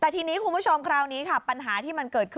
แต่ทีนี้คุณผู้ชมคราวนี้ค่ะปัญหาที่มันเกิดขึ้น